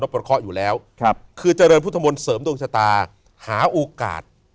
ประเคาะอยู่แล้วคือเจริญพุทธมนต์เสริมดวงชะตาหาโอกาส